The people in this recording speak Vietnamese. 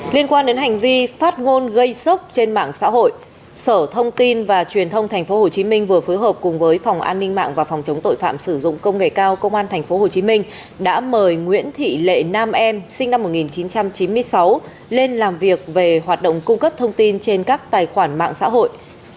liên quan đến hành vi phát ngôn gây sốc trên mạng xã hội sở thông tin và truyền thông tp hcm vừa phối hợp cùng với phòng an ninh mạng và phòng chống tội phạm sử dụng công nghệ cao công an tp hcm đã mời nguyễn thị lệ nam em sinh năm một nghìn chín trăm chín mươi sáu lên làm việc về hoạt động cung cấp thông tin trên các tài khoản mạng xã hội